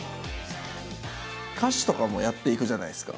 歌手とかもやっていくじゃないですか。